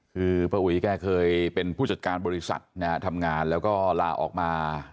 คือป้าอุ๋ยแกเคยเป็นผู้จัดการบริษัทนะฮะทำงานแล้วก็ลาออกมา